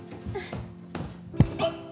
あっ！